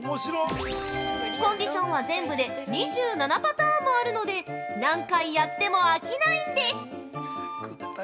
コンディションは全部で２７パターンもあるので、何回やっても飽きないんです。